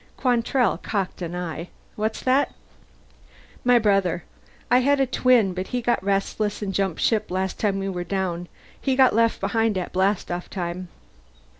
Quantrell cocked an eye. "What's that?" "My brother. I had a twin, but he got restless and jumped ship last time we were down. He got left behind at blastoff time."